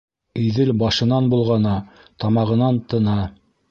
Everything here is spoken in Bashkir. Иҙел башынан болғана, тамағынан тына.